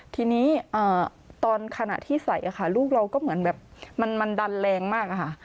ทีนี้ตอนขณะที่ใส่ค่ะลูกเราก็เหมือนแบบมันดันแรงมากอะค่ะ